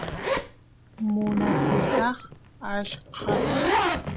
munasusaq achkata